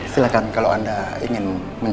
silahkan kalau anda ingin